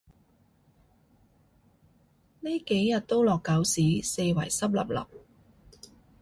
呢幾日都落狗屎，四圍濕 𣲷𣲷